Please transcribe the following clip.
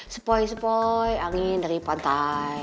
supoy supoy angin dari pantai